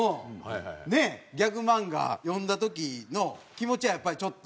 ギャグ漫画読んだ時の気持ちはやっぱりちょっと？